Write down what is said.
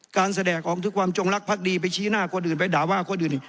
การแสดงออกถึงความจงรักภักดีไปชี้หน้าคนอื่นไปด่าว่าคนอื่น